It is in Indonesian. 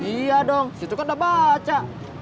iya dong situ kan udah baca